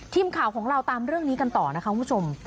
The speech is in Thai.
ทีมข่าวของเราตามเรื่องนี้กันต่อนะคะคุณผู้ชม